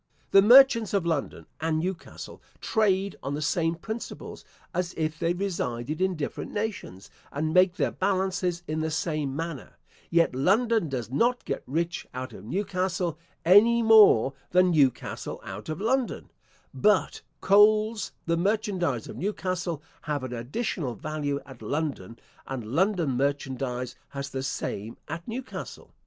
The merchants of London and Newcastle trade on the same principles, as if they resided in different nations, and make their balances in the same manner: yet London does not get rich out of Newcastle, any more than Newcastle out of London: but coals, the merchandize of Newcastle, have an additional value at London, and London merchandize has the same at Newcastle.